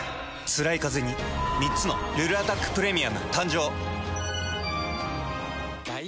つらいカゼに３つの「ルルアタックプレミアム」誕生。